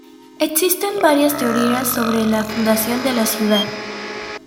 Existen varias teorías sobre la fundación de la ciudad.